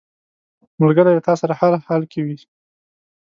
ملګری له تا سره هر حال کې وي